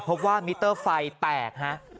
พบว่ามิเตอร์ไฟแตก